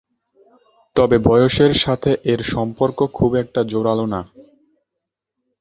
তবে বয়সের সাথে এর সম্পর্ক খুব একটা জোরালো না।